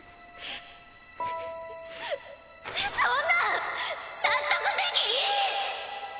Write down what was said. そんなん納得できひん！